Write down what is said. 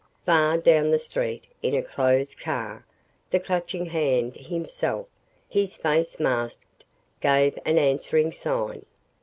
Far down the street, in a closed car, the Clutching Hand himself, his face masked, gave an answering sign.